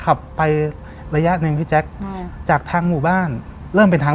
ขับไประยะหนึ่งพี่แจ๊คอืมจากทางหมู่บ้านเริ่มเป็นทาง